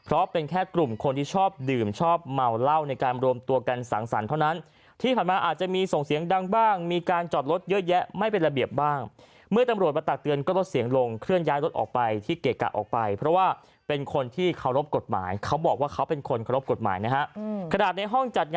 เพราะเป็นแค่กลุ่มคนที่ชอบดื่มชอบเหมาเล่าในการรวมตัวกันสางสรรค่อนข้างเพราะนั้นที่ผ่านมาอาจจะมีเสียงดังอยู่แลง